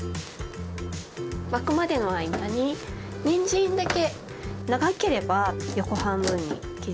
沸くまでの間ににんじんだけ長ければ横半分に切ります。